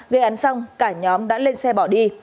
gây án xong cả nhóm đã lên xe bỏ đi